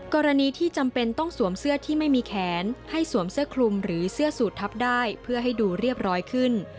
กรณีที่จำเป็นต้องสวมเสื้อที่ไม่มีแขนให้สวมเสื้อคลุมหรือเสื้อสูตรทับได้เพื่อให้ดูเรียบร้อยขึ้น